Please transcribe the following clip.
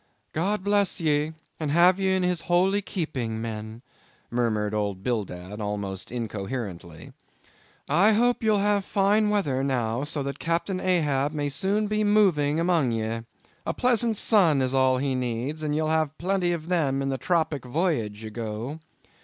"God bless ye, and have ye in His holy keeping, men," murmured old Bildad, almost incoherently. "I hope ye'll have fine weather now, so that Captain Ahab may soon be moving among ye—a pleasant sun is all he needs, and ye'll have plenty of them in the tropic voyage ye go.